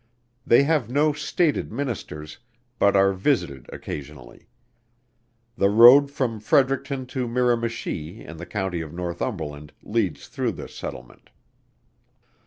They have no stated Ministers, but are visited occasionally. The road from Fredericton to Miramichi in the County of Northumberland leads through this settlement.